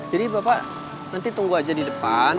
jadi bapak nanti tunggu aja di depan